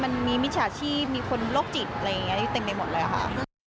มันมีมิจฉาชีพมีคนโลกจิตอะไรอย่างนี้อยู่เต็มในหมดเลยค่ะ